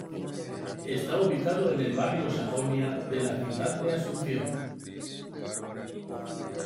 Está ubicado en el barrio Sajonia de la ciudad de Asunción.